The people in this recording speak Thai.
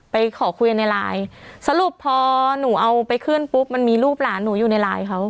ไปขอคุยกันในไลน์สรุปพอหนูเอาไปขึ้นปุ๊บมันมีรูปหลานหนูอยู่ในไลน์เขา